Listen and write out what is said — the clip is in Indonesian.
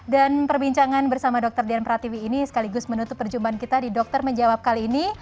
dan perbincangan bersama dr diana pratibi ini sekaligus menutup perjumpaan kita di dokter menjawab kali ini